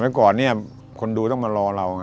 สมัยก่อนเนี่ยคนดูต้องมารอเรา